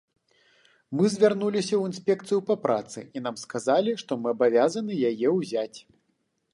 Мы звярнуліся ў інспекцыю па працы, і нам сказалі, што мы абавязаны яе ўзяць.